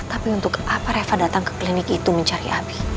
tapi untuk apa reva datang ke klinik itu mencari abi